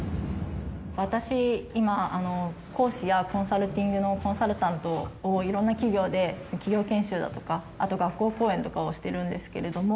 私今講師やコンサルティングのコンサルタントをいろんな企業で。とかをしてるんですけれども。